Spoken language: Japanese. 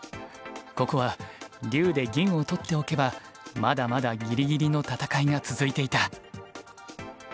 ここは竜で銀を取っておけばまだまだギリギリの戦いが続いていた。